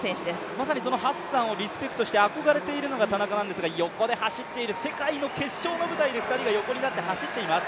まさにハッサンをリスペクトして憧れているのが田中なんですが横で走っている、世界の決勝の舞台で２人が横になって走っています。